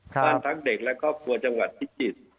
ความทักเด็กและก็ครัวจังหวัดพิจิตย์